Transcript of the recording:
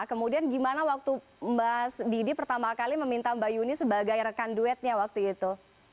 kemudian gimana waktu mbak didi pertama kali meminta mbak yuni sebagai rekan duetnya waktu itu